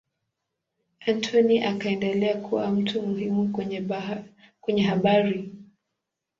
Anthony akaendelea kuwa mtu muhimu kwenye habari.